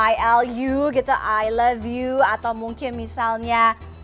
i love you gitu i love you atau mungkin misalnya